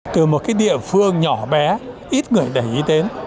từ một cái địa phương nhỏ bé ít người để ý đến